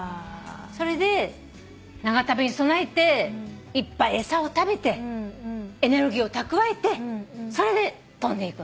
それで長旅に備えていっぱい餌を食べてエネルギーを蓄えてそれで飛んでいくの。